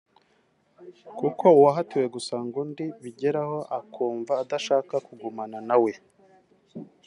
kuko uwahatiwe gusanga undi bigeraho akumva adashaka kugumana na we